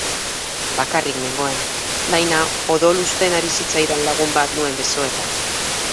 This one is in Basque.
Bakarrik nengoen, baina odolusten ari zitzaidan lagun bat nuen besoetan.